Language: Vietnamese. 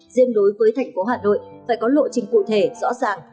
riêng đối với thành phố hà nội phải có lộ trình cụ thể rõ ràng